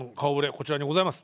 こちらにございます。